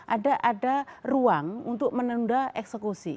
ada ruang untuk menunda eksekusi